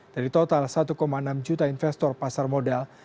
dari total satu enam juta investor pasar modal